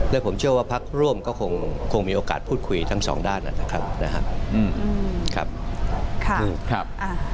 และผมเชื่อว่าพักร่วมก็คงมีโอกาสพูดคุยทั้งสองด้านนะครับนะครับ